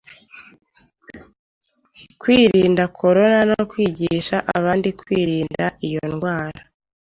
Kwirinda corona no kwigisha abandi kwirinda iyo ndwara.